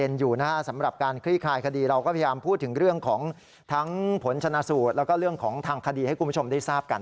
แล้วก็เรื่องของทางคดีให้คุณผู้ชมได้ทราบกัน